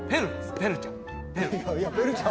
ペルちゃんペル